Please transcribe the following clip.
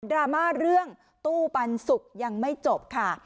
รามาเรื่องตู้ปันสุกยังไม่จบค่ะ